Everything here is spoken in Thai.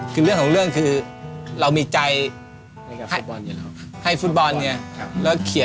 เป็นคนส่งแรงใจเชียร์ฟุตบอลไทยให้ไปไปหนึ่ง